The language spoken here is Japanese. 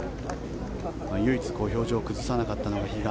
唯一、表情を崩さなかったのが比嘉。